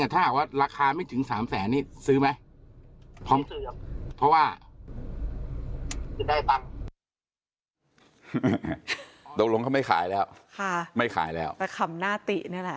ตกลงเขาไม่ขายแล้วค่ะไม่ขายแล้วแต่ขำหน้าตินี่แหละ